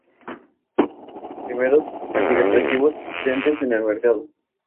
Fueron los primeros antidepresivos existentes en el mercado.